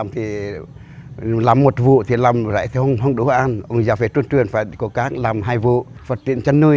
nhiều năm qua ra làng a chủ thôn đắc quét xã đắc phờ si phát triển kinh tế